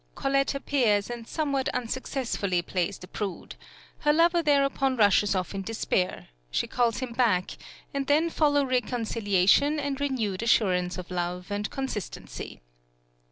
Colette appears, and somewhat unsuccessfully plays the prude; her lover thereupon rushes off in despair, she calls him back, and then follow reconciliation and renewed assurance of love and constancy.